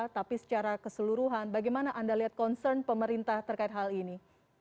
tapi secara keseluruhan bagaimana anda lihat concern pemerintah terkait hal ini